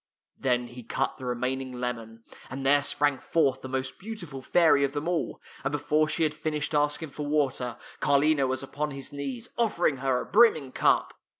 " Then he cut the remaining lemon, and there sprang forth the most beautiful fairy of them all, and before she had finished asking for water, Carlino was upon his knees, offering her a brimming cup.